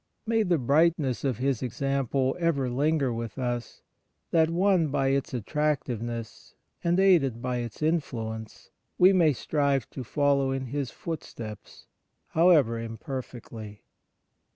May the brightness of his example ever linger with us, that, won by its attractiveness and aided by its influ ence, we. may stri\e to follow in his foot steps, however imperfectly.